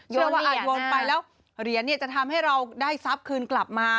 เชื่อว่าอาจวนไปแล้วเหรียญจะทำให้เราได้ทรัพย์คืนกลับมา